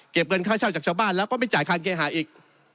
เงินค่าเช่าจากชาวบ้านแล้วก็ไม่จ่ายคารเคหาอีก